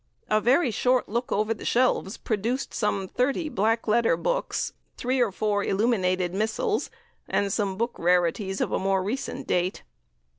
A very short look over the shelves produced some thirty Black Letter books, three or four illuminated missals, and some book rarities of a more recent date.